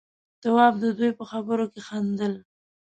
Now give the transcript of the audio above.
تواب د دوي په خبرو کې خندل.